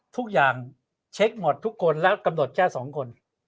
ทุกอย่างเช็คหมดทุกคนแล้วกำหนดแค่๒คน